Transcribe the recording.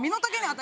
私。